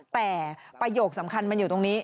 แต่ประโยคสำคัญมันอยู่ตรงนี้